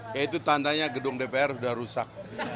ya itu tandanya gedung dpr sudah rusak